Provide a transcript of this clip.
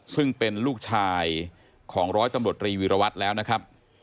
ซึ่งเป็นลูกชายของร้อยตำรวจรีวิรวัตรแล้วนะครับ